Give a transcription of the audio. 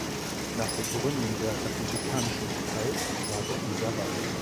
Nach der Gründung der Republikanischen Partei trat er dieser bei.